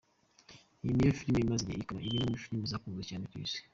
Iyi nayo ni filime imaze igihe, ikaba iri muri filime zakunzwe cyane ku isi.